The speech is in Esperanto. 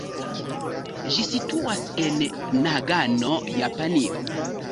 Ĝi situas en Nagano, Japanio.